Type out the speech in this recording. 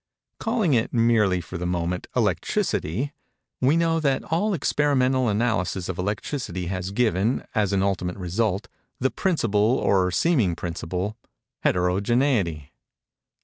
Calling it, merely for the moment, electricity, we know that all experimental analysis of electricity has given, as an ultimate result, the principle, or seeming principle, heterogeneity.